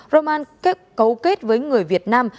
roman cấu kết với người việt nam